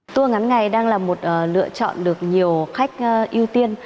tour ngắn ngày đang là một lựa chọn được nhiều khách ưu tiên